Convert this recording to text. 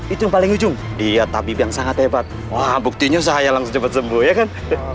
itu paling ujung dia tapi yang sangat hebat buktinya saya langsung cepet sembuh ya kan